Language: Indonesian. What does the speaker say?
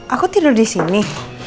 aku tidur di sini